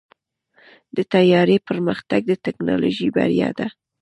د طیارې پرمختګ د ټیکنالوژۍ بریا ده.